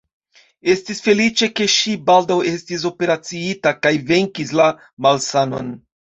Estis feliĉe, ke ŝi baldaŭ estis operaciita kaj venkis la malsanon.